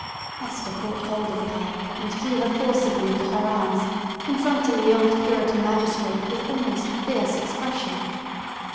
Hester caught hold of Pearl, and drew her forcibly into her arms, confronting the old Puritan magistrate with almost a fierce expression.